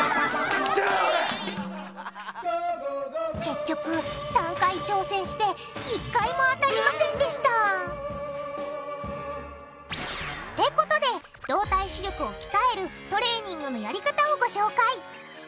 結局３回挑戦して１回も当たりませんでしたってことで動体視力をきたえるトレーニングのやり方をご紹介！